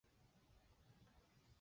有公路通拉萨和印度。